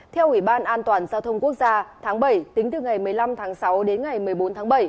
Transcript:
theo ủy ban an toàn giao thông quốc gia tháng bảy tính từ ngày một mươi năm tháng sáu đến ngày một mươi bốn tháng bảy